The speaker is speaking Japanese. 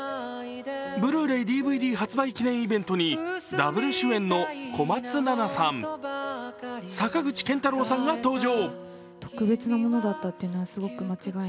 ブルーレイ・ＤＶＤ発売記念イベントにダブル主演の小松菜奈さん、坂口健太郎さんが登場。